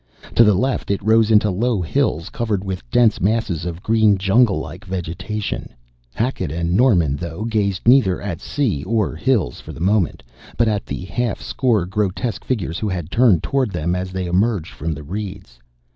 To the left it rose into low hills covered with dense masses of green junglelike vegetation. Hackett and Norman, though, gazed neither at sea or hills for the moment, but at the half score grotesque figures who had turned toward them as they emerged from the reeds.